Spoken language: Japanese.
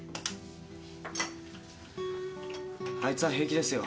あいつは平気ですよ。